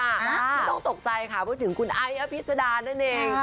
ไม่ต้องตกใจค่ะพูดถึงคุณไอ้อภิษดานั่นเอง